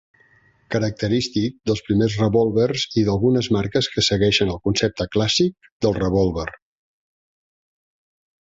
Característic dels primers revòlvers i d'algunes marques que segueixen el concepte clàssic del revòlver.